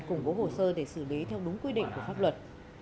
cùng vô hồ sơ để xử lý theo đúng quy định của pháp luật